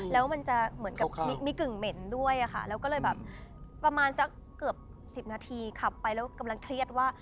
แล้วมันจะเหมือนกับมีกลิ่นเหม็นด้วยค่ะแล้วก็เลยแบบประมาณสักเกือบ๑๐นาทีขับไปแล้วกำลังเครียดว่า